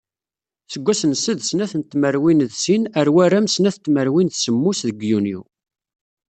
Seg wass n sed snat n tmerwin d sin ar waram snat n tmerwin d semmus deg yunyu.